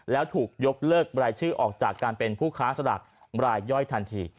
แล้วถูกยกเลิกรายชื่อออกจากการเป็นผู้ค้าสลากรายย่อยทันที